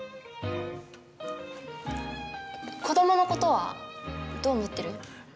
子どものことはどう思ってる？